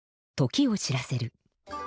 時を知らせる。